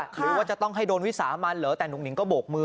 คุณต้องให้โดนวิสามันแต่หนุ่งนิงก็โบกมือ